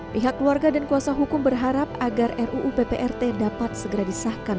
pihak keluarga dan kuasa hukum berharap agar ruu pprt dapat segera disahkan